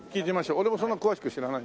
俺もそんな詳しく知らない。